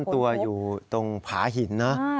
เหมือนซ่อนตัวอยู่ตรงผาหินนะ